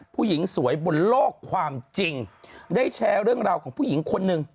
ผู้หญิงสวยบนโลกความจริงได้แชร์เรื่องราวของผู้หญิงคนหนึ่ง